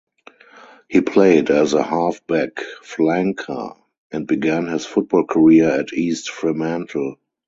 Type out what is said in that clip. He played as a half-back flanker and began his football career at East Fremantle.